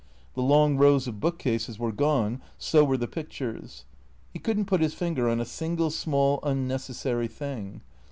The long rows of bookcases were gone, so were the pictures. He could n't put his finger on a single small unnecessary thing.